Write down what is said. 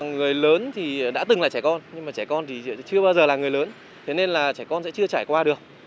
người lớn thì đã từng là trẻ con nhưng mà trẻ con thì chưa bao giờ là người lớn thế nên là trẻ con sẽ chưa trải qua được